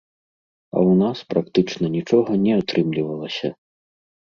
А ў нас практычна нічога не атрымлівалася.